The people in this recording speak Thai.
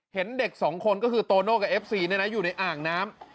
เห็นเด็กสองคนก็คือโตโน่กับเอฟซีอยู่ในอ่างน้ำ